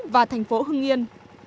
và thành phố hưng yên